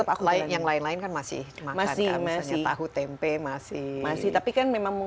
tapi yang lain lain kan masih makan kan